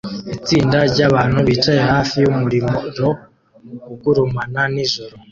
Itsinda ryabantu bicaye hafi yumuriro ugurumana nijoro